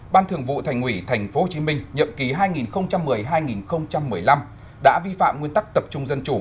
ban thường vụ thành ủy tp hcm nhậm ký hai nghìn một mươi hai nghìn một mươi năm đã vi phạm nguyên tắc tập trung dân chủ